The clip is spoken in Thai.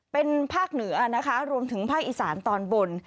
เป็นภาคเหนือนะคะรวมถึงภาคอีสานตอนบน